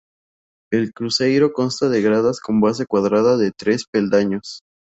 El cruceiro consta de gradas con base cuadrada de tres peldaños.